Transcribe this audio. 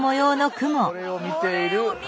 これを見ている。